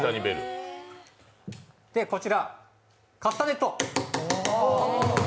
こちら、カスタネット。